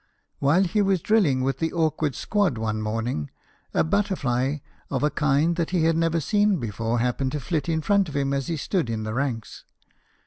While he was drilling with the awkward squad one morning, a butterfly of a kind that he had never seen before happened to flit in front of him as he stood in the ranks.